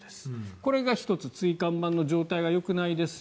これが１つ椎間板の状態がよくないですよ